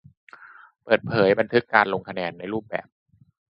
การเปิดเผยบันทึกการลงคะแนนในรูปแบบ